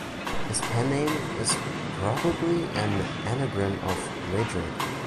His pen name is probably an anagram of Richard.